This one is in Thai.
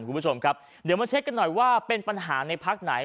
คุณผู้ชมครับเดี๋ยวมาเช็คกันหน่อยว่าเป็นปัญหาในพักไหน